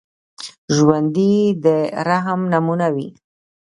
ژوندي د رحم نمونه وي